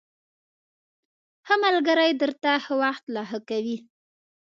ښه ملگري درته ښه وخت لا ښه کوي